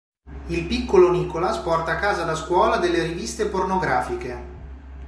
Il piccolo Nicolas porta a casa da scuola delle riviste pornografiche.